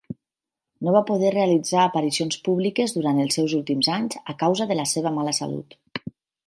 No va poder realitzar aparicions públiques durant els seus últims anys a causa de la seva mala salut.